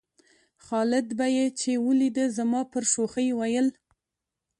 خالد به یې چې ولېده زما پر شوخۍ ویل.